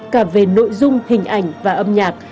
cả về nội dung hình ảnh và âm nhạc